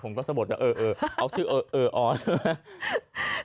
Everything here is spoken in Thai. ผมก็สมุดว่าเออเออเอาชื่อเออเออออใช่ไหม